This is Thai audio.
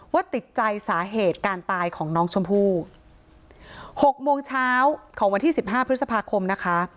ติดใจสาเหตุการตายของน้องชมพู่หกโมงเช้าของวันที่สิบห้าพฤษภาคมนะคะ